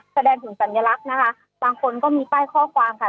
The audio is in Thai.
แสดงถึงสัญลักษณ์นะคะบางคนก็มีป้ายข้อความค่ะ